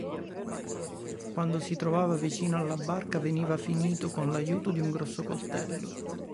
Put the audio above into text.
Quando si trovava vicino alla barca, veniva finito con l'aiuto di un grosso coltello.